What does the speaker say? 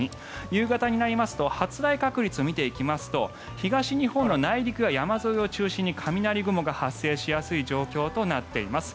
夕方になりますと発雷確率を見てみますと東日本の内陸や山沿いを中心に雷雲が発生しやすい状況となっています。